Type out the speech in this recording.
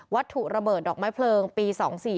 วัตถุระเบิดดอกไม้เพลิงปี๒๔๙๐